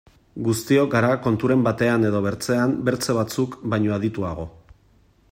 Guztiok gara konturen batean edo bestean beste batzuk baino adituago.